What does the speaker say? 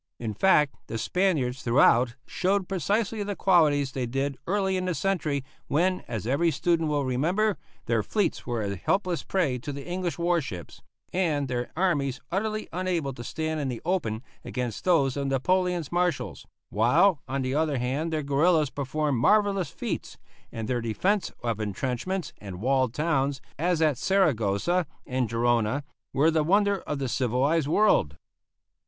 In fact, the Spaniards throughout showed precisely the qualities they did early in the century, when, as every student will remember, their fleets were a helpless prey to the English war ships, and their armies utterly unable to stand in the open against those of Napoleon's marshals, while on the other hand their guerillas performed marvellous feats, and their defence of intrenchments and walled towns, as at Saragossa and Gerona, were the wonder of the civilized world.